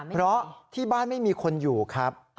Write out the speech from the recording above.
เพราะที่บ้านไม่มีคนอยู่ครับ